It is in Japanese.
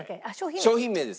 商品名です。